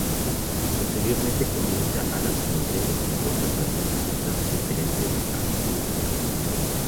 Posteriormente comienza la formación de glucosa a partir de sustratos diferentes al glucógeno.